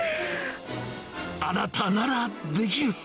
あなたならできる。